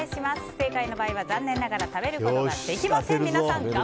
正解の場合は残念ながら食べることができません。